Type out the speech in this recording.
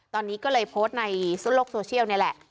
ตอนนี้ก็เลยโพสต์ในโลกโซเชียลนี่แหละ